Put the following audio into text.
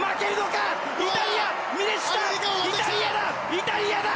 イタリアだ！